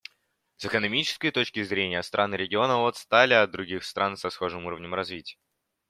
С экономической точки зрения страны региона отстали от других стран со схожим уровнем развития.